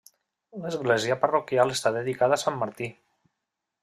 L'església parroquial està dedicada a sant Martí.